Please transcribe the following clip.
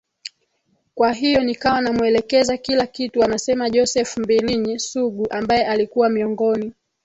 kwa hiyo nikawa namuelekeza kila kitu anasema Joseph Mbilinyi Sugu ambaye alikuwa miongoni